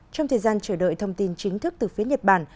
trong thời gian chờ đợi thông tin chính thức từ phía nhật bản